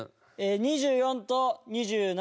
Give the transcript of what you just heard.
２４と２７。